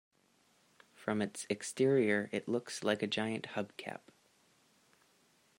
From its exterior, it looks like a giant hub cap.